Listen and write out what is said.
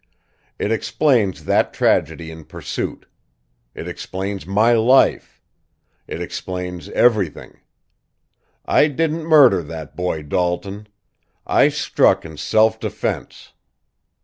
It explains that tragedy in Pursuit; it explains my life; it explains everything. I didn't murder that boy Dalton. I struck in self defence.